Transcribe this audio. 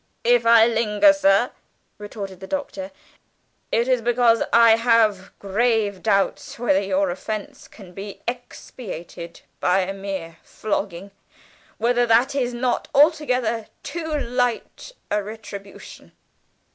"If I linger, sir," retorted the Doctor, "it is because I have grave doubts whether your offence can be expiated by a mere flogging whether that is not altogether too light a retribution."